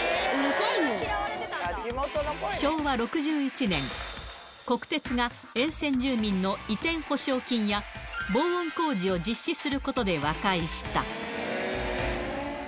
昭和６１年、国鉄が沿線住民の移転補償金や防音工事を実施することで和解した。